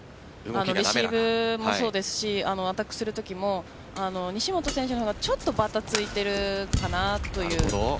レシーブもそうですしアタックするときも西本選手の方がちょっとバタついているかなという。